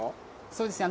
そうですね。